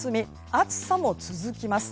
暑さも続きます。